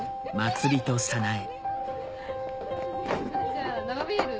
じゃあ生ビール。